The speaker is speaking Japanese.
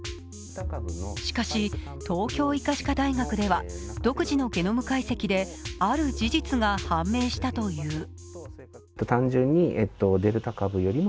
しかし、東京医科歯科大学では独自のゲノム解析である事実が判明したという。